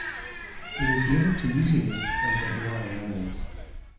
It is native to New Zealand and the Hawaiian Islands.